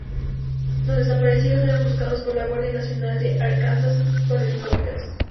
Los desaparecidos eran buscados por la Guardia Nacional de Arkansas con helicópteros.